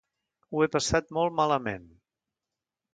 Ho he passat molt malament...